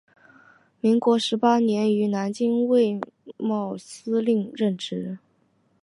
民国十八年于南京卫戍司令任职。